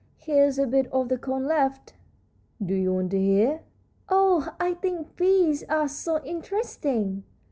Here's a bit of the cone left." "Do you want to hear?" "Oh, I think bees are so interesting!"